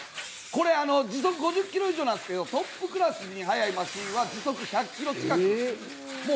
これ、時速５０キロ以上あるんですけどトップクラスに速いマシンは時速１００ｋｍ近く。